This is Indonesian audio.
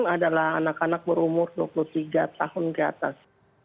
adalah anak anak berumur dua puluh tiga tahun ke atas